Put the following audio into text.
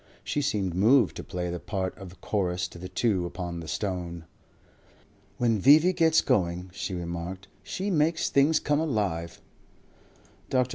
She seemed moved to play the part of chorus to the two upon the stone. "When V.V. gets going," she remarked, "she makes things come alive." Dr.